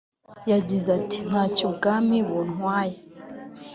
yagize ati “Ntacyo ubwami buntwaye